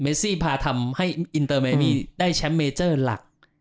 ซี่พาทำให้อินเตอร์เมมีได้แชมป์เมเจอร์หลัก